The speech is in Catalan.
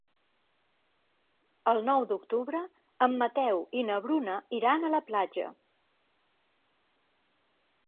El nou d'octubre en Mateu i na Bruna iran a la platja.